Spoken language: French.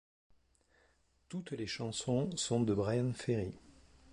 Toutes les chansons sont de Bryan Ferry.